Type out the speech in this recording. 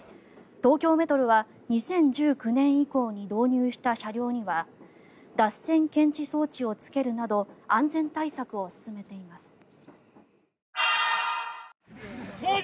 東京メトロは２０１９年以降に導入した車両には脱線検知装置をつけるなど安全対策を進めています。